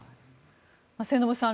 末延さん